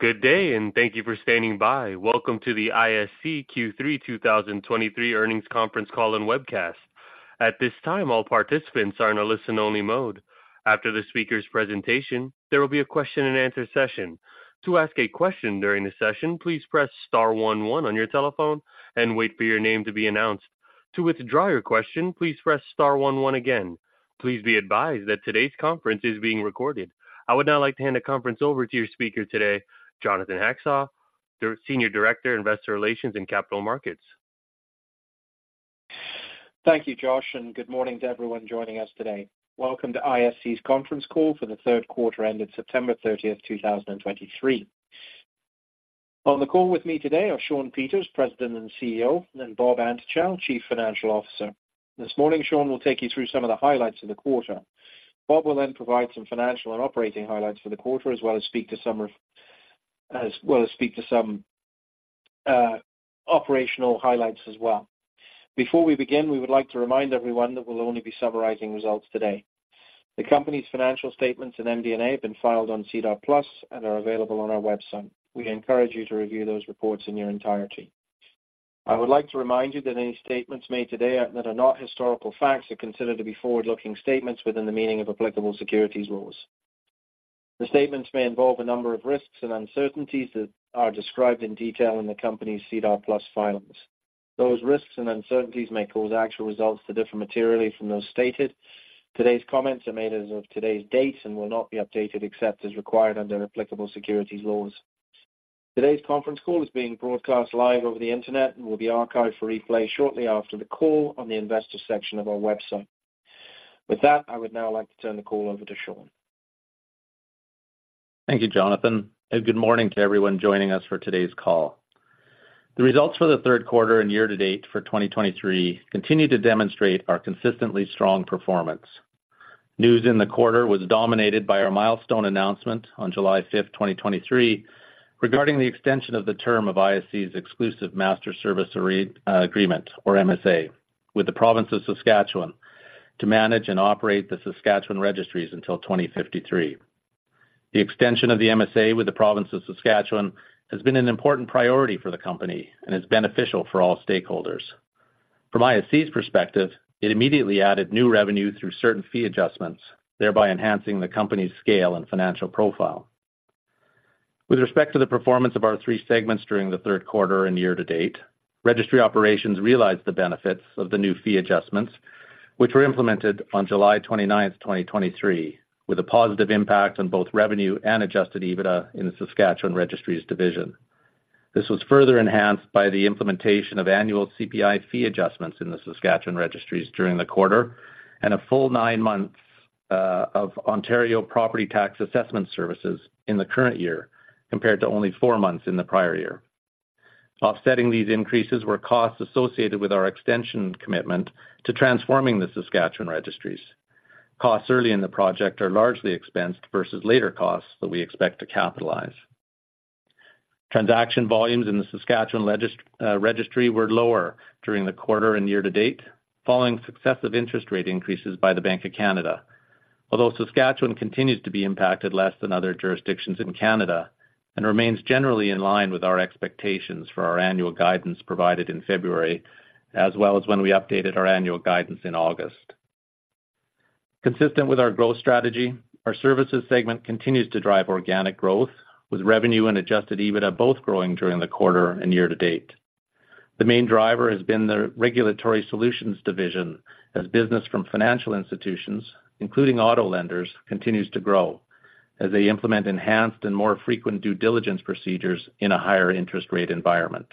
Good day, and thank you for standing by. Welcome to the ISC Q3 2023 Earnings Conference Call and Webcast. At this time, all participants are in a listen-only mode. After the speaker's presentation, there will be a question and answer session. To ask a question during the session, please press star one one on your telephone and wait for your name to be announced. To withdraw your question, please press star one one again. Please be advised that today's conference is being recorded. I would now like to hand the conference over to your speaker today, Jonathan Hackshaw, the Senior Director, Investor Relations and Capital Markets. Thank you, Josh, and good morning to everyone joining us today. Welcome to ISC's conference call for the third quarter ended September 30th, 2023. On the call with me today are Shawn Peters, President and CEO, and Bob Antochow, Chief Financial Officer. This morning, Shawn will take you through some of the highlights of the quarter. Bob will then provide some financial and operating highlights for the quarter, as well as speak to some operational highlights as well. Before we begin, we would like to remind everyone that we'll only be summarizing results today. The company's financial statements and MD&A have been filed on SEDAR+ and are available on our website. We encourage you to review those reports in your entirety. I would like to remind you that any statements made today that are not historical facts are considered to be forward-looking statements within the meaning of applicable securities laws. The statements may involve a number of risks and uncertainties that are described in detail in the company's SEDAR+ filings. Those risks and uncertainties may cause actual results to differ materially from those stated. Today's comments are made as of today's date and will not be updated except as required under applicable securities laws. Today's conference call is being broadcast live over the internet and will be archived for replay shortly after the call on the investor section of our website. With that, I would now like to turn the call over to Shawn. Thank you, Jonathan, and good morning to everyone joining us for today's call. The results for the third quarter and year-to-date for 2023 continue to demonstrate our consistently strong performance. News in the quarter was dominated by our milestone announcement on July 5th, 2023, regarding the extension of the term of ISC's exclusive Master Service Agreement, or MSA, with the province of Saskatchewan to manage and operate the Saskatchewan registries until 2053. The extension of the MSA with the province of Saskatchewan has been an important priority for the company and is beneficial for all stakeholders. From ISC's perspective, it immediately added new revenue through certain fee adjustments, thereby enhancing the company's scale and financial profile. With respect to the performance of our three segments during the third quarter and year to date, registry operations realized the benefits of the new fee adjustments, which were implemented on July 29th, 2023, with a positive impact on both revenue and adjusted EBITDA in the Saskatchewan Registries division. This was further enhanced by the implementation of annual CPI fee adjustments in the Saskatchewan registries during the quarter and a full nine months of Ontario property tax assessment services in the current year, compared to only four months in the prior year. Offsetting these increases were costs associated with our extension commitment to transforming the Saskatchewan registries. Costs early in the project are largely expensed versus later costs that we expect to capitalize. Transaction volumes in the Saskatchewan registry were lower during the quarter and year to date, following successive interest rate increases by the Bank of Canada. Although Saskatchewan continues to be impacted less than other jurisdictions in Canada and remains generally in line with our expectations for our annual guidance provided in February, as well as when we updated our annual guidance in August. Consistent with our growth strategy, our services segment continues to drive organic growth, with revenue and Adjusted EBITDA both growing during the quarter and year-to-date. The main driver has been the Regulatory Solutions division, as business from financial institutions, including auto lenders, continues to grow as they implement enhanced and more frequent due diligence procedures in a higher interest rate environment.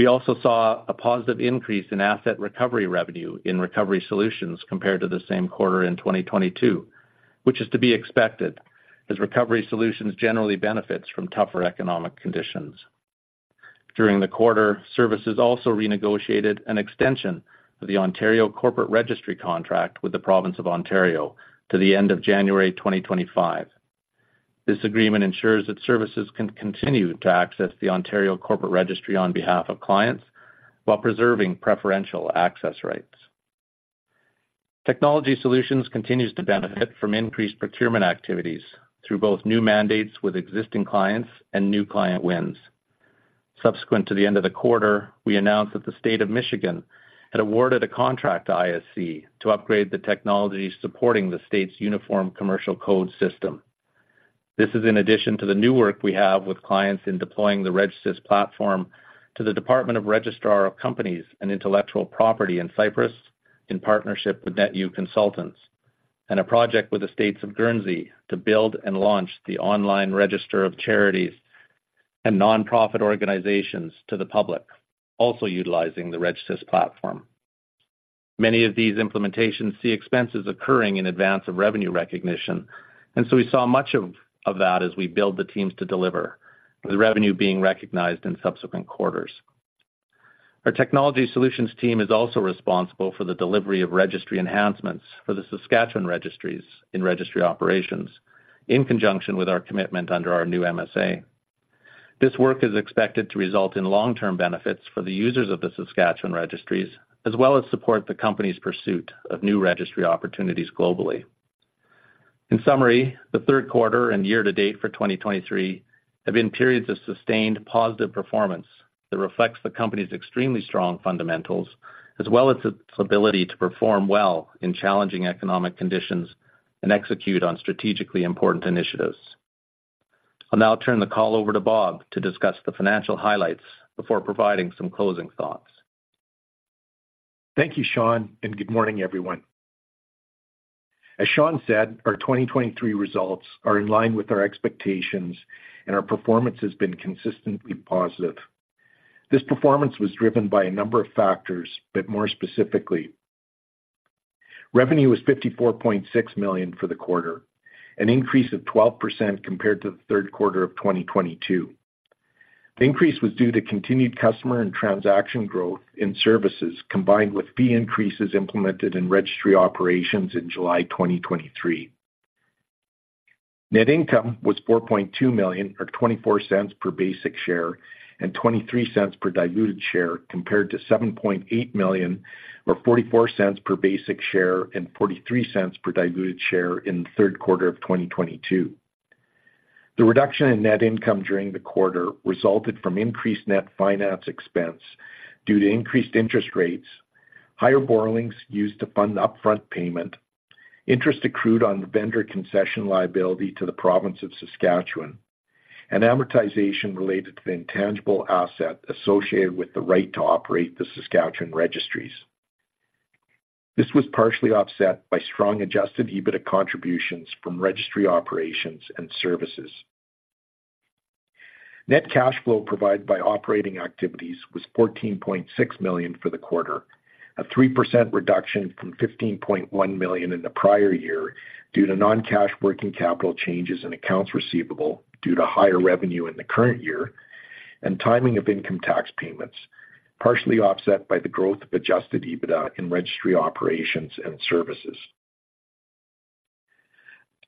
We also saw a positive increase in asset recovery revenue in Recovery Solutions compared to the same quarter in 2022, which is to be expected, as Recovery Solutions generally benefits from tougher economic conditions. During the quarter, services also renegotiated an extension of the Ontario Corporate Registry contract with the Province of Ontario to the end of January 2025. This agreement ensures that services can continue to access the Ontario Corporate Registry on behalf of clients while preserving preferential access rights. Technology Solutions continues to benefit from increased procurement activities through both new mandates with existing clients and new client wins. Subsequent to the end of the quarter, we announced that the State of Michigan had awarded a contract to ISC to upgrade the technology supporting the state's Uniform Commercial Code system. This is in addition to the new work we have with clients in deploying the RegSys platform to the Department of Registrar of Companies and Intellectual Property in Cyprus, in partnership with NetU Consultants, and a project with the States of Guernsey to build and launch the Online Register of Charities and Nonprofit Organizations to the public, also utilizing the RegSys platform. Many of these implementations see expenses occurring in advance of revenue recognition, and so we saw much of that as we build the teams to deliver, with revenue being recognized in subsequent quarters. Our technology solutions team is also responsible for the delivery of registry enhancements for the Saskatchewan registries in registry operations, in conjunction with our commitment under our new MSA. This work is expected to result in long-term benefits for the users of the Saskatchewan registries, as well as support the company's pursuit of new registry opportunities globally. In summary, the third quarter and year-to-date for 2023 have been periods of sustained positive performance that reflects the company's extremely strong fundamentals, as well as its ability to perform well in challenging economic conditions and execute on strategically important initiatives. I'll now turn the call over to Bob to discuss the financial highlights before providing some closing thoughts. Thank you, Shawn, and good morning, everyone. As Shawn said, our 2023 results are in line with our expectations, and our performance has been consistently positive. This performance was driven by a number of factors, but more specifically, revenue was 54.6 million for the quarter, an increase of 12% compared to the third quarter of 2022. The increase was due to continued customer and transaction growth in services, combined with fee increases implemented in registry operations in July 2023. Net income was 4.2 million, or 0.24 per basic share and 0.23 per diluted share, compared to 7.8 million, or 0.44 per basic share and 0.43 per diluted share in the third quarter of 2022. The reduction in net income during the quarter resulted from increased net finance expense due to increased interest rates, higher borrowings used to fund the upfront payment, interest accrued on the vendor concession liability to the Province of Saskatchewan, and amortization related to the intangible asset associated with the right to operate the Saskatchewan registries. This was partially offset by strong adjusted EBITDA contributions from registry operations and services. Net cash flow provided by operating activities was 14.6 million for the quarter, a 3% reduction from 15.1 million in the prior year, due to non-cash working capital changes in accounts receivable due to higher revenue in the current year and timing of income tax payments, partially offset by the growth of adjusted EBITDA in registry operations and services.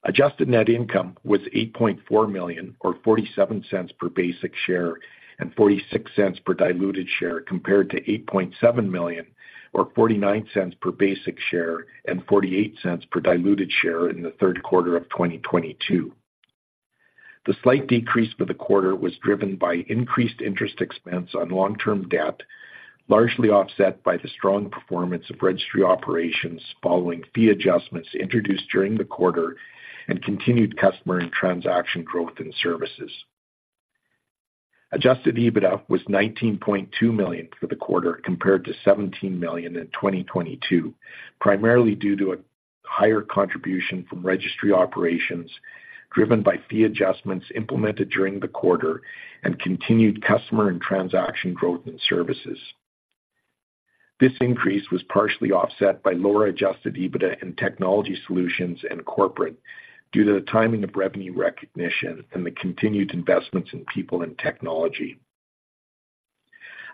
Adjusted net income was 8.4 million, or 0.47 per basic share and 0.46 per diluted share, compared to 8.7 million or 0.49 per basic share and 0.48 per diluted share in the third quarter of 2022. The slight decrease for the quarter was driven by increased interest expense on long-term debt, largely offset by the strong performance of registry operations following fee adjustments introduced during the quarter and continued customer and transaction growth in services. Adjusted EBITDA was 19.2 million for the quarter, compared to 17 million in 2022, primarily due to a higher contribution from registry operations, driven by fee adjustments implemented during the quarter and continued customer and transaction growth in services. This increase was partially offset by lower adjusted EBITDA in technology solutions and corporate, due to the timing of revenue recognition and the continued investments in people and technology.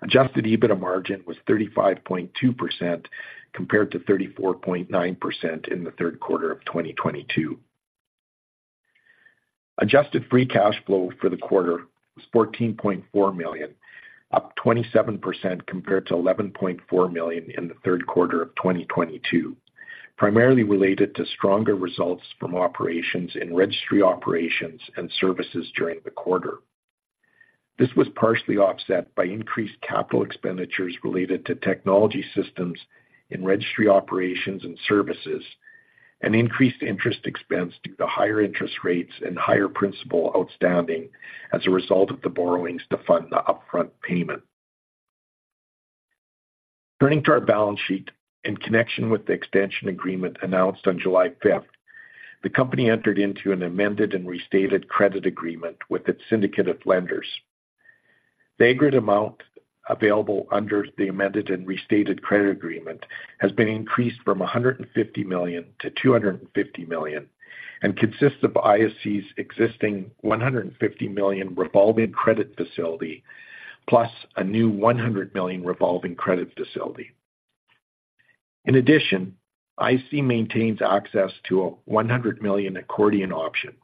Adjusted EBITDA margin was 35.2%, compared to 34.9% in the third quarter of 2022. Adjusted free cash flow for the quarter was 14.4 million, up 27% compared to 11.4 million in the third quarter of 2022, primarily related to stronger results from operations in registry operations and services during the quarter. This was partially offset by increased capital expenditures related to technology systems in registry operations and services, and increased interest expense due to higher interest rates and higher principal outstanding as a result of the borrowings to fund the upfront payment. Turning to our balance sheet, in connection with the extension agreement announced on July 5th, the company entered into an amended and restated credit agreement with its syndicate of lenders. The aggregate amount available under the amended and restated credit agreement has been increased from 150 million to 250 million, and consists of ISC's existing 150 million revolving credit facility, plus a new 100 million revolving credit facility. In addition, ISC maintains access to a 100 million accordion option,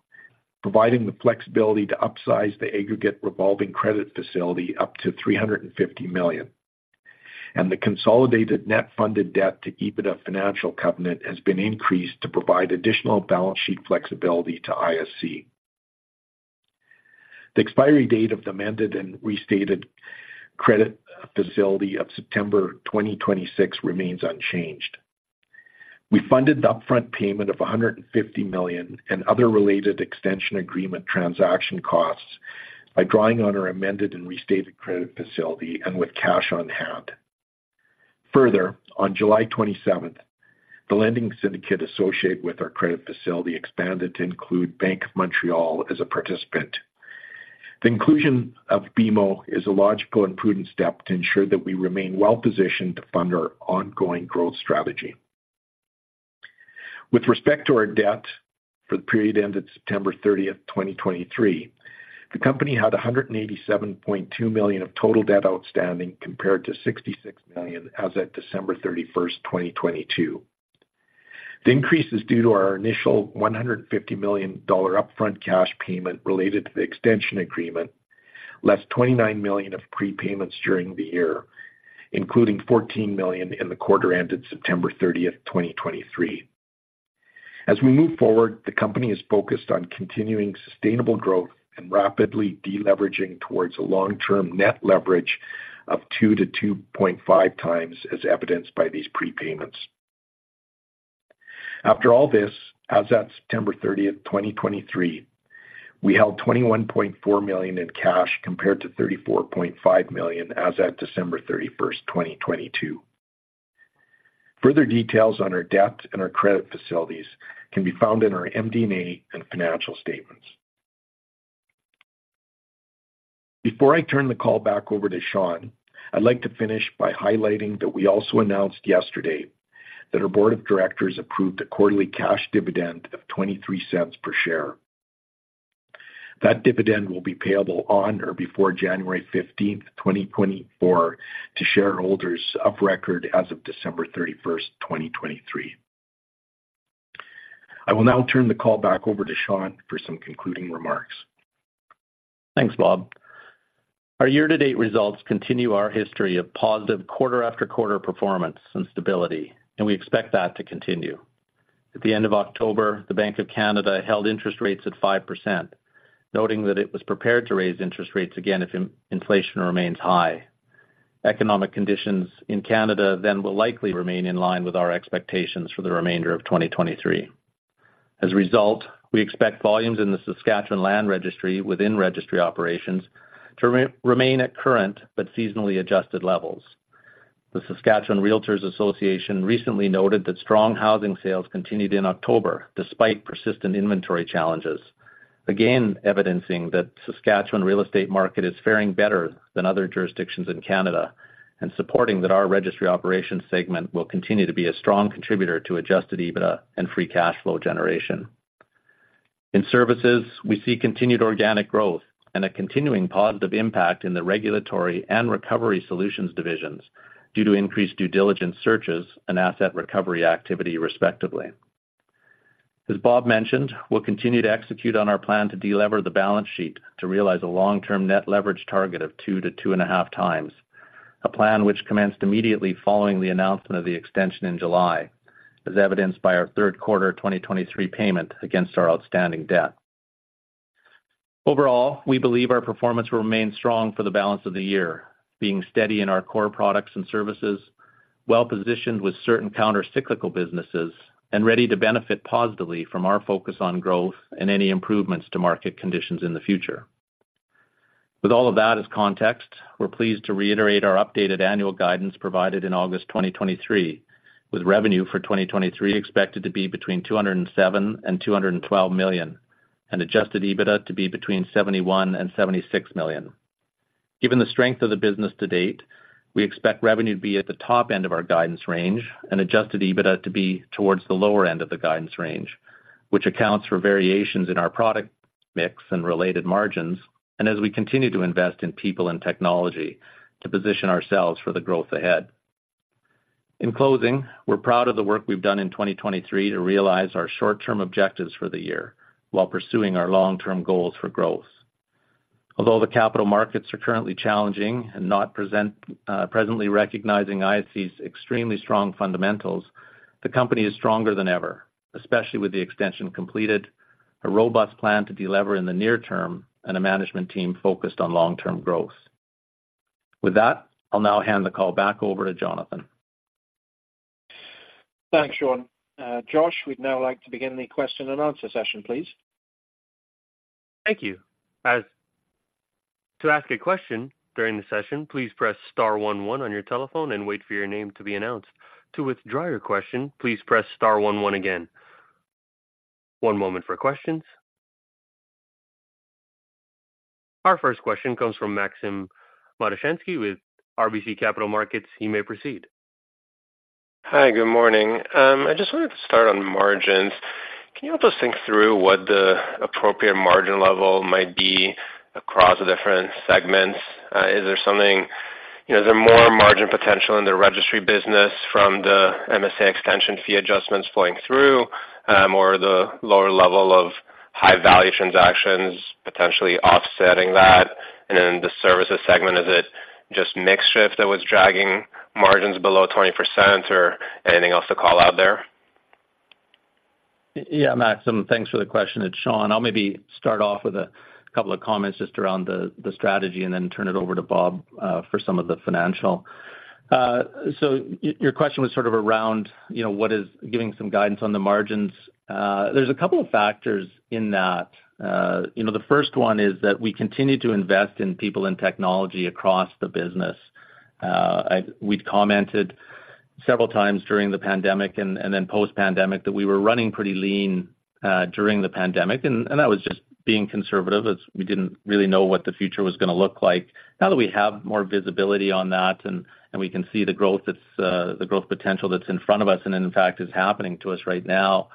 providing the flexibility to upsize the aggregate revolving credit facility up to 350 million, and the consolidated net funded debt to EBITDA financial covenant has been increased to provide additional balance sheet flexibility to ISC. The expiry date of the amended and restated credit facility of September 2026 remains unchanged. We funded the upfront payment of 150 million and other related extension agreement transaction costs by drawing on our amended and restated credit facility and with cash on hand. Further, on July 27th, the lending syndicate associated with our credit facility expanded to include Bank of Montreal as a participant. The inclusion of BMO is a logical and prudent step to ensure that we remain well-positioned to fund our ongoing growth strategy. With respect to our debt, for the period ended September 30th, 2023, the company had 187.2 million of total debt outstanding, compared to 66 million as at December 31st, 2022.... The increase is due to our initial 150 million dollar upfront cash payment related to the extension agreement, less 29 million of prepayments during the year, including 14 million in the quarter ended September 30th, 2023. As we move forward, the company is focused on continuing sustainable growth and rapidly deleveraging towards a long-term net leverage of 2x-2.5x, as evidenced by these prepayments. After all this, as at September 30, 2023, we held 21.4 million in cash, compared to 34.5 million as at December 31st, 2022. Further details on our debt and our credit facilities can be found in our MD&A and financial statements. Before I turn the call back over to Shawn, I'd like to finish by highlighting that we also announced yesterday that our board of directors approved a quarterly cash dividend of 0.23 per share. That dividend will be payable on or before January 15th, 2024, to shareholders of record as of December 31st, 2023. I will now turn the call back over to Shawn for some concluding remarks. Thanks, Bob. Our year-to-date results continue our history of positive quarter-after-quarter performance and stability, and we expect that to continue. At the end of October, the Bank of Canada held interest rates at 5%, noting that it was prepared to raise interest rates again if inflation remains high. Economic conditions in Canada then will likely remain in line with our expectations for the remainder of 2023. As a result, we expect volumes in the Saskatchewan Land Registry within registry operations to remain at current but seasonally adjusted levels. The Saskatchewan Realtors Association recently noted that strong housing sales continued in October, despite persistent inventory challenges, again evidencing that Saskatchewan real estate market is faring better than other jurisdictions in Canada, and supporting that our registry operations segment will continue to be a strong contributor to Adjusted EBITDA and free cash flow generation. In services, we see continued organic growth and a continuing positive impact in the regulatory and recovery solutions divisions due to increased due diligence searches and asset recovery activity, respectively. As Bob mentioned, we'll continue to execute on our plan to delever the balance sheet to realize a long-term net leverage target of 2x-2.5x, a plan which commenced immediately following the announcement of the extension in July, as evidenced by our third quarter 2023 payment against our outstanding debt. Overall, we believe our performance will remain strong for the balance of the year, being steady in our core products and services, well-positioned with certain countercyclical businesses, and ready to benefit positively from our focus on growth and any improvements to market conditions in the future. With all of that as context, we're pleased to reiterate our updated annual guidance provided in August 2023, with revenue for 2023 expected to be between 207 million and 212 million, and Adjusted EBITDA to be between 71 million and 76 million. Given the strength of the business to date, we expect revenue to be at the top end of our guidance range and Adjusted EBITDA to be towards the lower end of the guidance range, which accounts for variations in our product mix and related margins, and as we continue to invest in people and technology to position ourselves for the growth ahead. In closing, we're proud of the work we've done in 2023 to realize our short-term objectives for the year while pursuing our long-term goals for growth. Although the capital markets are currently challenging and not presently recognizing ISC's extremely strong fundamentals, the company is stronger than ever, especially with the extension completed, a robust plan to delever in the near term, and a management team focused on long-term growth. With that, I'll now hand the call back over to Jonathan. Thanks, Shawn. Josh, we'd now like to begin the question and answer session, please. Thank you. To ask a question during the session, please press star one one on your telephone and wait for your name to be announced. To withdraw your question, please press star one one again. One moment for questions. Our first question comes from Maxim Matushansky with RBC Capital Markets. He may proceed. Hi, good morning. I just wanted to start on margins. Can you help us think through what the appropriate margin level might be across the different segments? Is there something—you know, is there more margin potential in the registry business from the MSA extension fee adjustments flowing through, or the lower level of high value transactions potentially offsetting that? And in the services segment, is it just mix shift that was dragging margins below 20% or anything else to call out there? Yeah, Maxim, thanks for the question. It's Shawn. I'll maybe start off with a couple of comments just around the strategy and then turn it over to Bob for some of the financial. So your question was sort of around, you know, what is giving some guidance on the margins. There's a couple of factors in that. You know, the first one is that we continue to invest in people and technology across the business. We'd commented several times during the pandemic and then post-pandemic that we were running pretty lean during the pandemic and that was just being conservative, as we didn't really know what the future was gonna look like. Now that we have more visibility on that and we can see the growth that's the growth potential that's in front of us, and in fact is happening to us right now,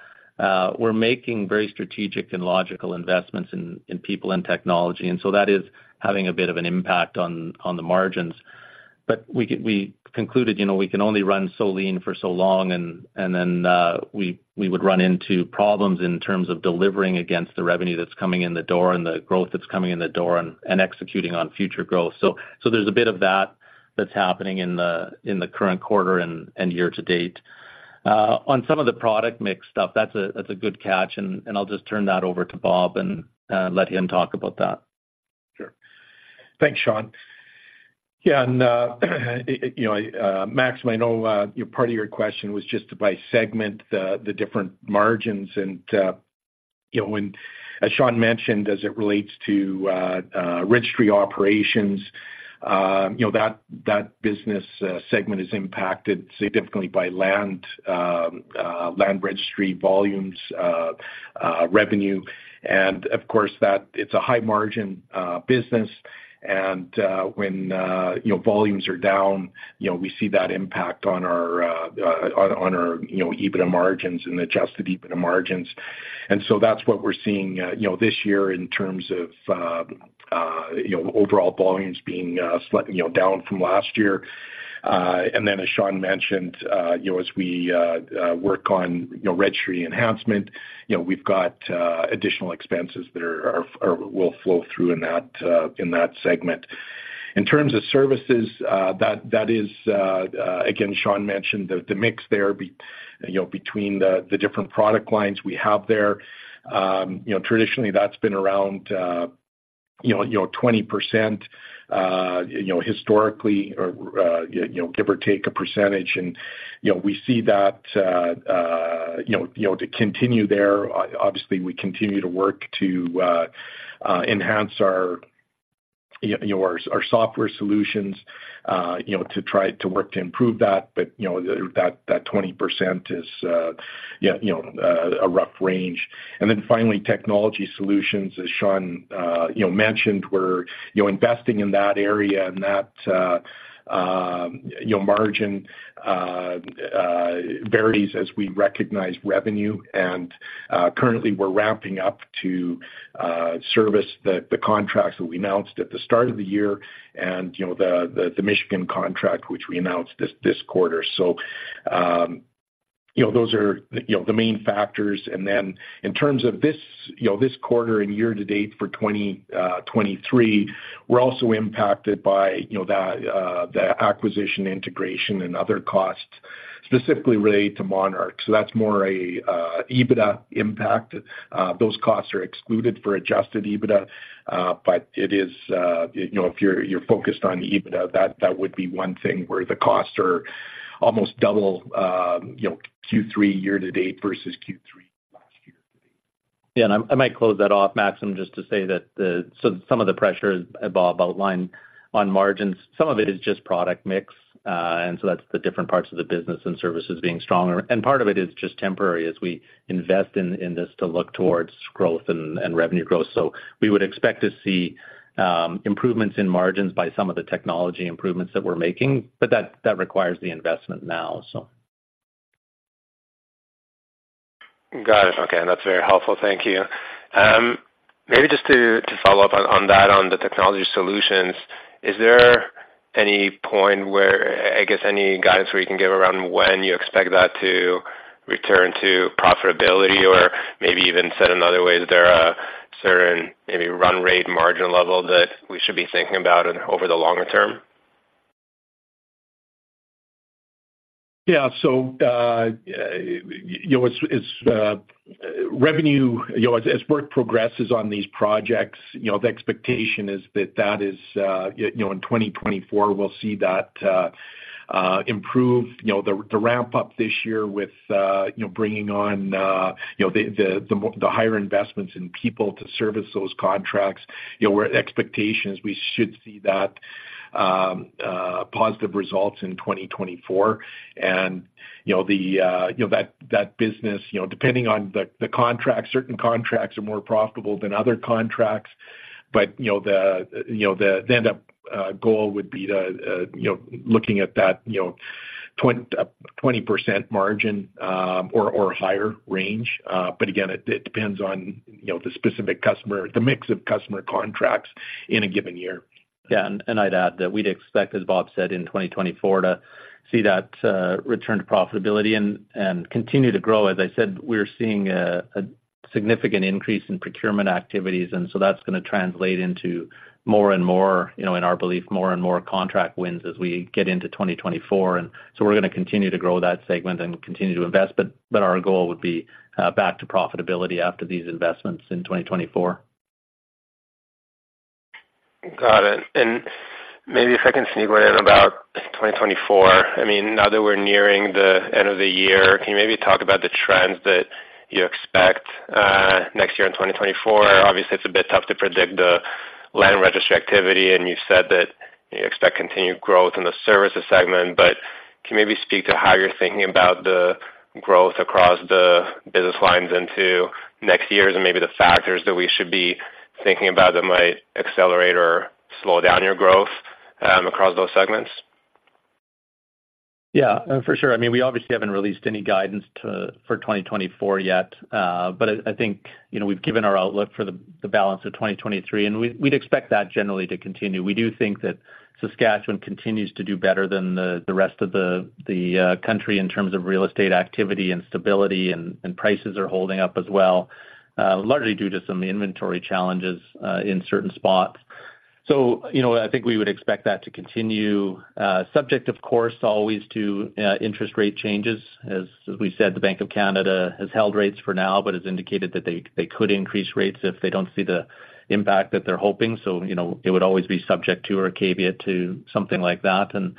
we're making very strategic and logical investments in people and technology, and so that is having a bit of an impact on the margins. But we could, we concluded, you know, we can only run so lean for so long, and then we would run into problems in terms of delivering against the revenue that's coming in the door and the growth that's coming in the door and executing on future growth. So there's a bit of that that's happening in the current quarter and year-to-date. On some of the product mix stuff, that's a good catch, and I'll just turn that over to Bob and let him talk about that. Sure. Thanks, Shawn. Yeah, and you know, Maxim, I know part of your question was just by segment, the different margins. You know, as Shawn mentioned, as it relates to registry operations, you know, that business segment is impacted significantly by land registry volumes, revenue. And of course, that it's a high margin business, and when you know volumes are down, you know, we see that impact on our you know EBITDA margins and Adjusted EBITDA margins. So that's what we're seeing you know this year in terms of you know overall volumes being slightly you know down from last year. And then as Shawn mentioned, you know, as we work on, you know, registry enhancement, you know, we've got additional expenses that will flow through in that segment. In terms of services, that is, again, Shawn mentioned the mix there between the different product lines we have there. You know, traditionally, that's been around, you know, you know, 20%, you know, historically, or, you know, give or take a percentage. And, you know, we see that, you know, you know, to continue there. Obviously, we continue to work to enhance our, you know, our software solutions, you know, to try to work to improve that. But, you know, that, that 20% is, yeah, you know, a rough range. And then finally, technology solutions, as Shawn, you know, mentioned, we're, you know, investing in that area, and that, you know, margin varies as we recognize revenue. And, currently, we're ramping up to service the contracts that we announced at the start of the year, and, you know, the Michigan contract, which we announced this quarter. So, you know, those are the, you know, the main factors. And then in terms of this, you know, this quarter and year to date for 2023, we're also impacted by, you know, the acquisition integration and other costs specifically related to Monarch. So that's more a EBITDA impact. Those costs are excluded for Adjusted EBITDA, but it is, you know, if you're, you're focused on the EBITDA, that, that would be one thing where the costs are almost double, you know, Q3 year to date versus Q3 last year-to-date. Yeah, and I, I might close that off, Maxim, just to say that the, so some of the pressures that Bob outlined on margins, some of it is just product mix, and so that's the different parts of the business and services being stronger. And part of it is just temporary as we invest in, in this to look towards growth and, and revenue growth. So we would expect to see, improvements in margins by some of the technology improvements that we're making, but that, that requires the investment now, so. Got it. Okay, and that's very helpful. Thank you. Maybe just to follow up on that, on the technology solutions, is there any point where I guess any guidance where you can give around when you expect that to return to profitability? Or maybe even said another way, is there a certain maybe run rate margin level that we should be thinking about in over the longer term? Yeah. So, you know, as revenue. You know, as work progresses on these projects, you know, the expectation is that that is, you know, in 2024, we'll see that improve. You know, the ramp up this year with, you know, bringing on, you know, the higher investments in people to service those contracts, you know, our expectations we should see that positive results in 2024. And, you know, the, you know, that business, you know, depending on the contract, certain contracts are more profitable than other contracts. But, you know, the end goal would be to, you know, looking at that, you know, 20% margin, or higher range. But again, it depends on, you know, the specific customer, the mix of customer contracts in a given year. Yeah, I'd add that we'd expect, as Bob said, in 2024, to see that return to profitability and continue to grow. As I said, we're seeing a significant increase in procurement activities, and so that's gonna translate into more and more, you know, in our belief, more and more contract wins as we get into 2024. And so we're gonna continue to grow that segment and continue to invest, but our goal would be back to profitability after these investments in 2024. Got it. And maybe if I can sneak right in about 2024. I mean, now that we're nearing the end of the year, can you maybe talk about the trends that you expect next year in 2024? Obviously, it's a bit tough to predict the land registry activity, and you've said that you expect continued growth in the services segment. But can you maybe speak to how you're thinking about the growth across the business lines into next year and maybe the factors that we should be thinking about that might accelerate or slow down your growth across those segments? Yeah, for sure. I mean, we obviously haven't released any guidance for 2024 yet. But I think, you know, we've given our outlook for the balance of 2023, and we'd expect that generally to continue. We do think that Saskatchewan continues to do better than the rest of the country in terms of real estate activity and stability, and prices are holding up as well, largely due to some inventory challenges in certain spots. So, you know, I think we would expect that to continue, subject, of course, always to interest rate changes. As we said, the Bank of Canada has held rates for now, but has indicated that they could increase rates if they don't see the impact that they're hoping. So, you know, it would always be subject to or a caveat to something like that. And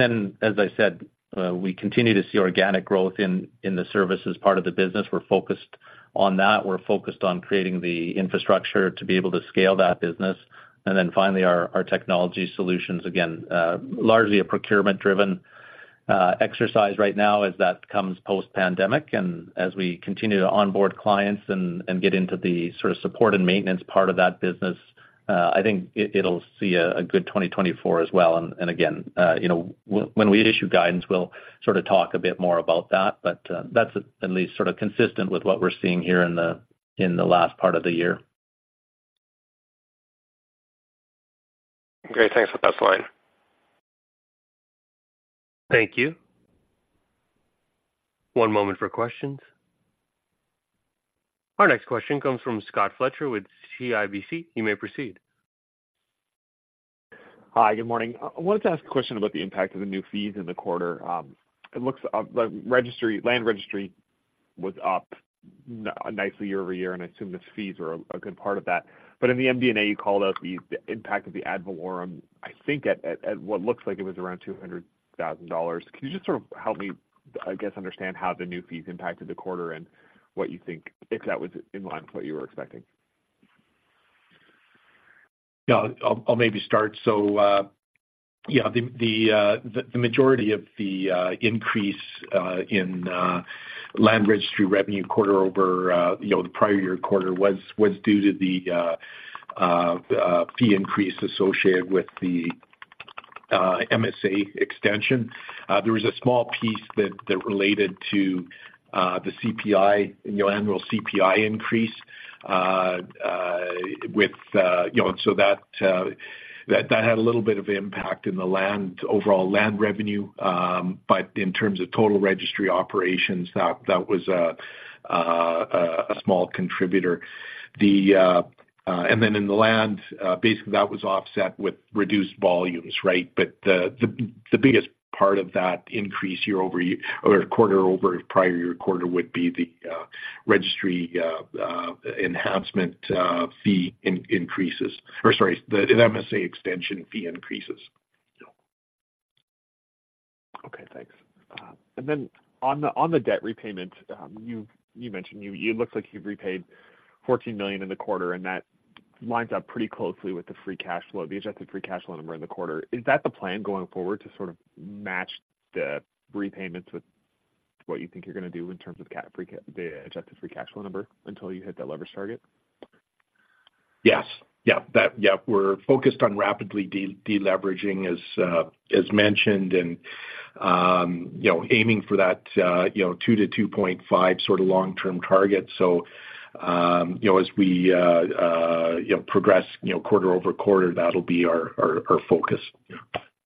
then, as I said, we continue to see organic growth in the services part of the business. We're focused on that. We're focused on creating the infrastructure to be able to scale that business. And then finally, our technology solutions, again, largely a procurement-driven exercise right now as that comes post-pandemic. And as we continue to onboard clients and get into the sort of support and maintenance part of that business, I think it, it'll see a good 2024 as well. And again, you know, when we issue guidance, we'll sort of talk a bit more about that, but that's at least sort of consistent with what we're seeing here in the last part of the year. Great. Thanks for that line. Thank you. One moment for questions. Our next question comes from Scott Fletcher with CIBC. You may proceed. Hi, good morning. I wanted to ask a question about the impact of the new fees in the quarter. It looks like land registry was up nicely year-over-year, and I assume the fees were a good part of that. But in the MD&A, you called out the impact of the ad valorem, I think, at what looks like it was around 200,000 dollars. Can you just sort of help me, I guess, understand how the new fees impacted the quarter and what you think if that was in line with what you were expecting? Yeah, I'll maybe start. So, yeah, the majority of the increase in land registry revenue quarter over, you know, the prior year quarter was due to the fee increase associated with the MSA extension. There was a small piece that related to the CPI, you know, annual CPI increase with... You know, so that had a little bit of impact in the land, overall land revenue. But in terms of total registry operations, that was a small contributor. And then in the land, basically that was offset with reduced volumes, right? But the biggest part of that increase year-over-year—or quarter-over-prior-year quarter, would be the registry enhancement fee increases, or, sorry, the MSA extension fee increases, yeah. Okay, thanks. And then on the, on the debt repayment, you mentioned it looks like you've repaid 14 million in the quarter, and that lines up pretty closely with the free cash flow, the Adjusted Free Cash Flow number in the quarter. Is that the plan going forward, to sort of match the repayments with what you think you're gonna do in terms of the Adjusted Free Cash Flow number until you hit that leverage target? Yes. Yeah, yeah, we're focused on rapidly deleveraging, as mentioned, and, you know, aiming for that, you know, 2%-2.5% sort of long-term target. So, you know, as we, you know, progress quarter-over-quarter, that'll be our focus.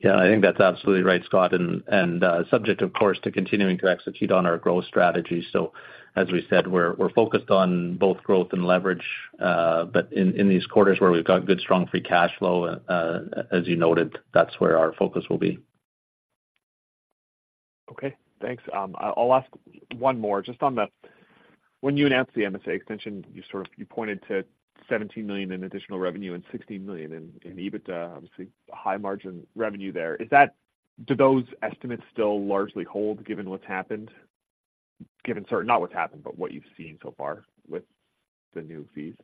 Yeah, I think that's absolutely right, Scott, and subject, of course, to continuing to execute on our growth strategy. So as we said, we're focused on both growth and leverage, but in these quarters where we've got good, strong, free cash flow, as you noted, that's where our focus will be. Okay, thanks. I'll ask one more. Just on the... When you announced the MSA extension, you sort of you pointed to 17 million in additional revenue and 16 million in EBITDA. Obviously, high margin revenue there. Is that do those estimates still largely hold given what's happened? Given, sorry, not what's happened, but what you've seen so far with the new fees?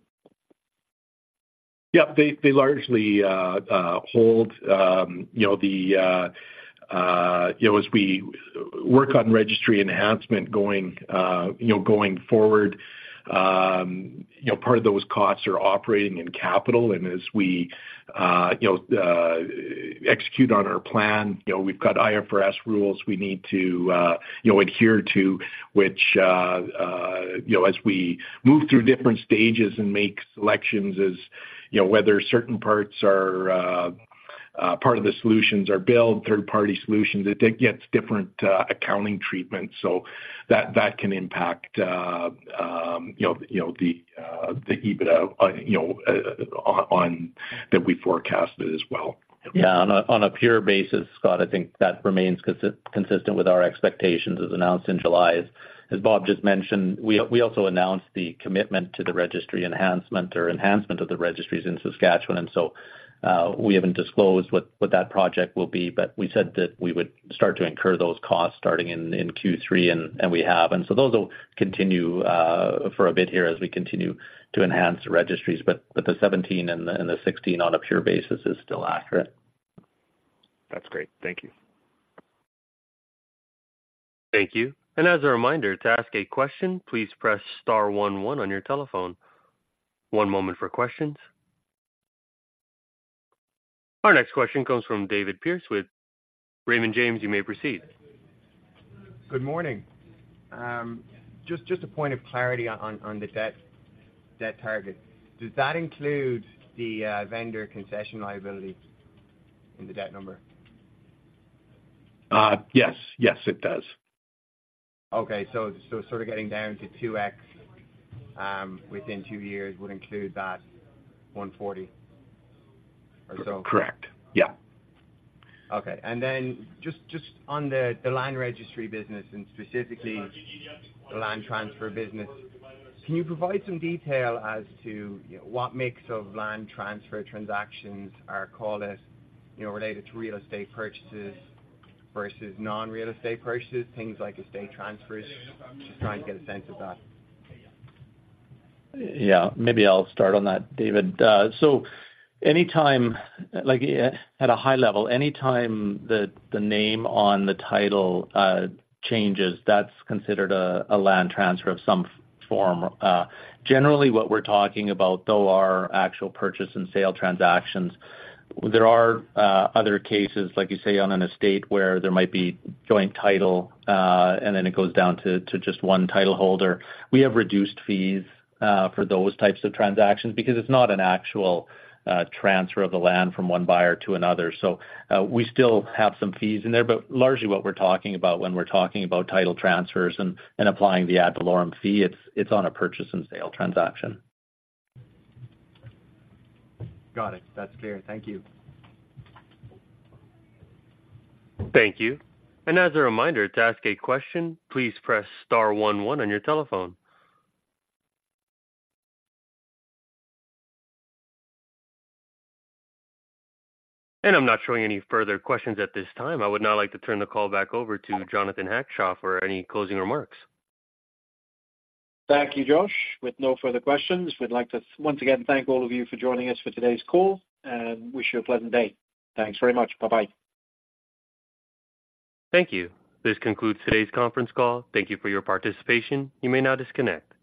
Yep, they largely hold. You know, as we work on registry enhancement going forward, you know, part of those costs are operating in capital. And as we execute on our plan, you know, we've got IFRS rules we need to adhere to, which, you know, as we move through different stages and make selections as, you know, whether certain parts are part of the solutions are billed, third-party solutions, it gets different accounting treatment. So that can impact the EBITDA on that we forecasted as well. Yeah, on a pure basis, Scott, I think that remains consistent with our expectations as announced in July. As Bob just mentioned, we also announced the commitment to the registry enhancement or enhancement of the registries in Saskatchewan. So, we haven't disclosed what that project will be, but we said that we would start to incur those costs starting in Q3, and we have. So those will continue for a bit here as we continue to enhance the registries. But the 17 and the 16 on a pure basis is still accurate. That's great. Thank you. Thank you. And as a reminder, to ask a question, please press star one one on your telephone. One moment for questions. Our next question comes from David Pierce with Raymond James. You may proceed. Good morning. Just a point of clarity on the debt target. Does that include the Vendor Concession Liability in the debt number? Yes. Yes, it does. Okay. So, sort of getting down to 2x within two years would include that 140 or so? Correct. Yeah. Okay. And then just on the land registry business and specifically the land transfer business, can you provide some detail as to what mix of land transfer transactions are called, as you know, related to real estate purchases versus non-real estate purchases, things like estate transfers? Just trying to get a sense of that. Yeah, maybe I'll start on that, David. So anytime, like, at a high level, anytime the, the name on the title, changes, that's considered a, a land transfer of some form. Generally, what we're talking about, though, are actual purchase and sale transactions. There are, other cases, like you say, on an estate, where there might be joint title, and then it goes down to, to just one title holder. We have reduced fees, for those types of transactions because it's not an actual, transfer of the land from one buyer to another. So, we still have some fees in there, but largely what we're talking about when we're talking about title transfers and, and applying the Ad Valorem Fee, it's, it's on a purchase and sale transaction. Got it. That's clear. Thank you. Thank you. As a reminder, to ask a question, please press star one one on your telephone. I'm not showing any further questions at this time. I would now like to turn the call back over to Jonathan Hackshaw for any closing remarks. Thank you, Josh. With no further questions, we'd like to once again thank all of you for joining us for today's call and wish you a pleasant day. Thanks very much. Bye-bye. Thank you. This concludes today's conference call. Thank you for your participation. You may now disconnect.